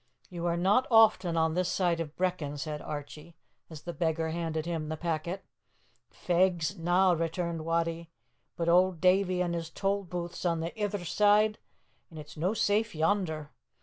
"You are not often on this side of Brechin," said Archie, as the beggar handed him the packet. "Fegs, na!" returned Wattie, "but auld Davie an' his tolbooth's on the ither side o't an' it's no safe yonder.